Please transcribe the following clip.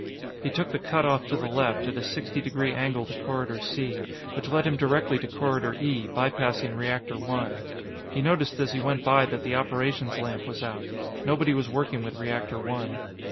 He took the cutoff to the left, at a sixty degree angle to Corridor C, which led him directly to Corridor E, by passing Reactor One. He noticed as he went by that the operations lamp was out. Nobody was working with Reactor One.